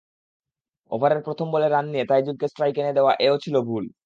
ওভারের প্রথম বলে রান নিয়ে তাইজুলকে স্ট্রাইকে এনে দেওয়া—এ–ও ছিল ভুল।